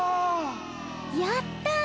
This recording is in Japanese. やった！